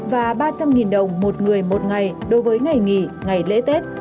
và ba trăm linh đồng một người một ngày đối với ngày nghỉ ngày lễ tết